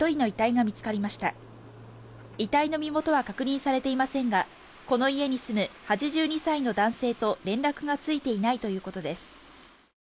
遺体の身元は確認されていませんがこの家に住む８２歳の男性と連絡がついていないということです。